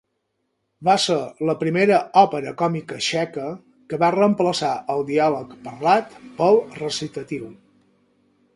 Va ser la primera òpera còmica txeca que va reemplaçar el diàleg parlat pel recitatiu.